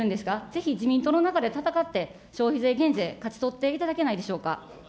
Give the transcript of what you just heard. ぜひ自民党の中で戦って、消費税減税、勝ち取っていただけないでしょうか。